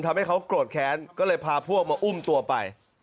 ทำให้เขาโกรธแค้นก็เลยพาพวกมาอุ้มตัวไป